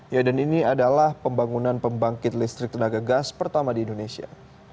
ya dan ini adalah pembangunan pembangkit listrik tenaga gas pertama di indonesia